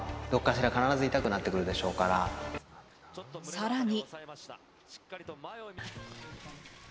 さらに。